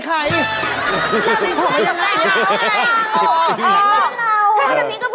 ถามพี่ปีเตอร์